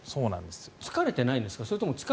疲れないんですか？